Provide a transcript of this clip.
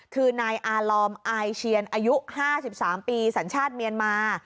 คือนายอาลอมอายเชียนอายุ๕๓ปีสัญชาติเมียนมา